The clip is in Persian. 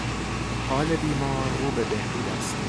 حال بیمار رو به بهبود است.